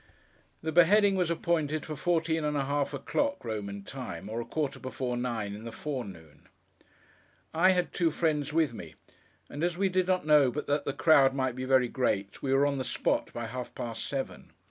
The beheading was appointed for fourteen and a half o'clock, Roman time: or a quarter before nine in the forenoon. I had two friends with me; and as we did not know but that the crowd might be very great, we were on the spot by half past seven.